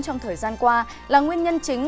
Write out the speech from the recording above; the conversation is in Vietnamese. trong thời gian qua là nguyên nhân chính